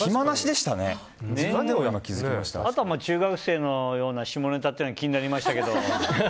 あとは中学生のような下ネタっていうのが気になりましたけど。